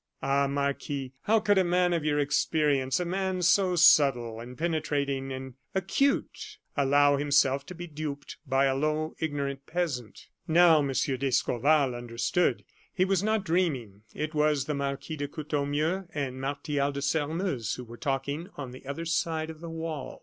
Ah, Marquis! how could a man of your experience, a man so subtle, and penetrating, and acute, allow himself to be duped by a low, ignorant peasant?" Now M. d'Escorval understood. He was not dreaming; it was the Marquis de Courtornieu and Martial de Sairmeuse who were talking on the other side of the wall.